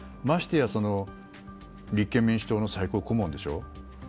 ましてや、立憲民主党の最高顧問でしょ。